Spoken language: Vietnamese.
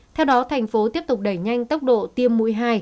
theo đó tp hcm tiếp tục đẩy nhanh tốc độ tiêm mũi hai